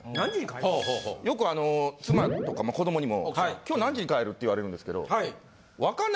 よく妻とか子どもにも「今日何時に帰る？」って言われるんですけど。